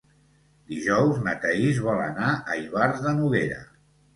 Dijous na Thaís vol anar a Ivars de Noguera.